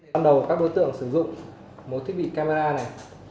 sử dụng một thiết bị camera này